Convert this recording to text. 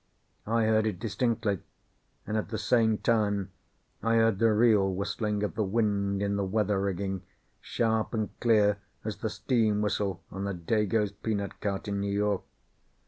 I heard it distinctly, and at the same time I heard the real whistling of the wind in the weather rigging, sharp and clear as the steam whistle on a Dago's peanut cart in New York.